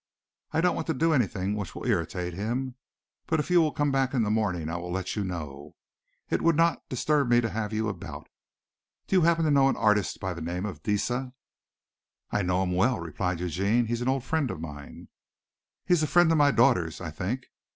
I don't want to do anything which will irritate him, but if you will come back in the morning I will let you know. It would not disturb me to have you about. Do you happen to know of an artist by the name of Deesa?" "I know him well," replied Eugene. "He's an old friend of mine." "He is a friend of my daughter's, I think.